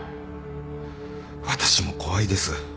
私も怖いです。